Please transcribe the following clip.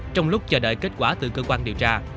trong lúc chờ đợi kết quả từ cơ quan điều tra